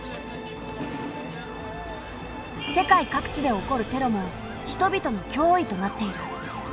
世界各地で起こるテロも人々のきょういとなっている。